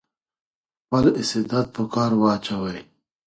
خپل استعداد په کار واچوئ.